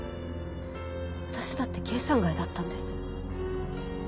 私だって計算外だったんです。